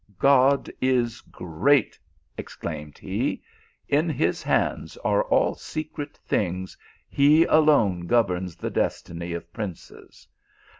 God is great/ " exclaimed he ," in his hands are all secret things, he alone governs the destiny of princes